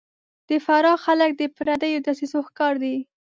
د فراه خلک د پردیو دسیسو ښکار دي